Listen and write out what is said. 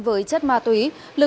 với chất ma túy